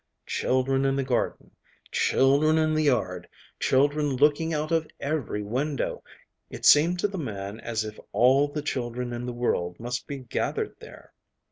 Children in the garden, children in the yard, children looking out of every window it seemed to the man as if all the children in the world must be gathered there.